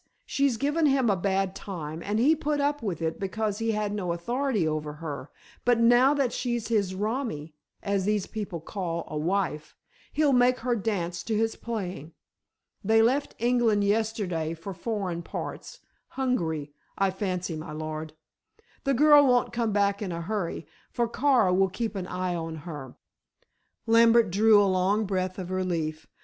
She's given him a bad time, and he put up with it because he had no authority over her; but now that she's his romi as these people call a wife he'll make her dance to his playing. They left England yesterday for foreign parts Hungary, I fancy, my lord. The girl won't come back in a hurry, for Kara will keep an eye on her." Lambert drew a long breath of relief.